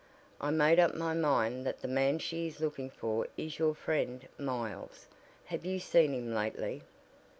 I made up my mind that the man she is looking for is your friend Miles. Have you seen him lately?"